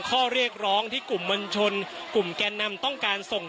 ข้อเรียกร้องที่กลุ่มมวลชนกลุ่มแกนนำต้องการส่ง